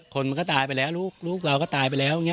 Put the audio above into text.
คนมันก็ตายไปแล้วลูกเราก็ตายไปแล้วอย่างนี้